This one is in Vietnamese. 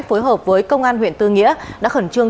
phối hợp với công an huyện tư nghĩa đã khẩn trương